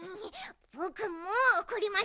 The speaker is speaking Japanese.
ぼくもうおこりました。